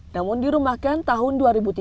namun dirumahkan tahun dua ribu tiga belas